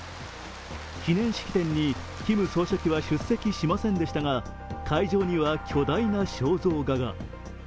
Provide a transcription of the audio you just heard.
記念式典にキム総書記は出席しませんでしたが会場には、巨大な肖像画が。